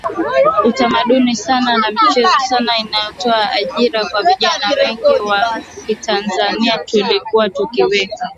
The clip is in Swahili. Utamaduni Sanaa na Michezo Sanaa inatoa ajira kwa vijanaa wengi wa kitanzania tulitakiwa tuweke